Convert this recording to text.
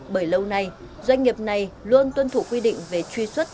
bởi lâu nay doanh nghiệp này luôn tuân thủ quy định về truy xuất